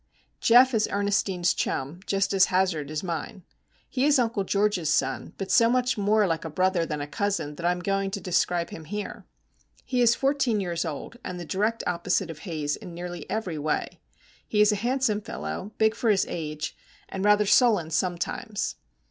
Geof is Ernestine's chum, just as Hazard is mine. He is Uncle George's son, but so much more like a brother than a cousin that I am going to describe him here. He is fourteen years old, and the direct opposite of Haze in nearly every way. He is a handsome fellow, big for his age, and rather sullen sometimes.